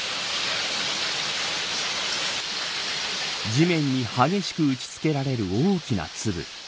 地面に激しく打ち付けられる大きな粒。